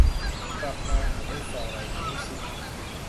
กลับมาอาจได้ซองไรงี้ ชิค